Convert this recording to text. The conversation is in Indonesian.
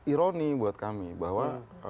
ironi buat kami bahwa